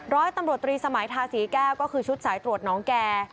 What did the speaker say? ร้อยตำรวจตรีสมัยทาสีแก้วก็คือชุดสายตรวจน้องแก่